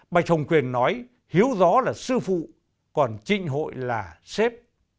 bạch hồng quyền nói hiếu gió là sư phụ còn trinh hội là sếp